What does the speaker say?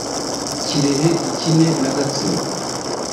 Kirehe ikine na Gatsibo